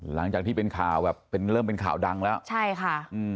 หลังจากที่เป็นข่าวแบบเป็นเริ่มเป็นข่าวดังแล้วใช่ค่ะอืม